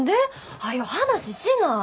はよ話しな。